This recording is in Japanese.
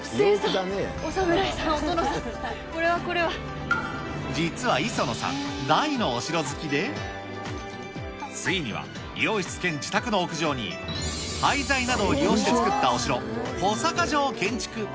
お侍さん、実は磯野さん、大のお城好きで、ついには理容室兼自宅の屋上に廃材などを利用して作ったお城、小阪城を建築。